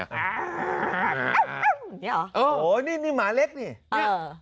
นี่เหรอโอ้โหนี่หมาเล็กนี่เออ